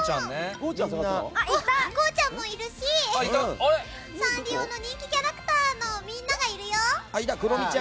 ゴーちゃん。もいるしサンリオの人気キャラクターもいるよ！